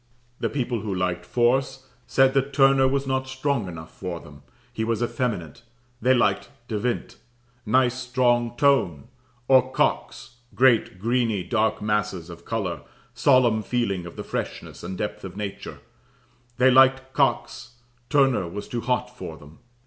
The people who liked force, said that "Turner was not strong enough for them; he was effeminate; they liked De Wint, nice strong tone; or Cox great, greeny, dark masses of colour solemn feeling of the freshness and depth of nature; they liked Cox Turner was too hot for them."